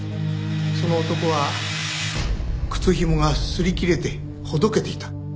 その男は靴ひもが擦り切れてほどけていた。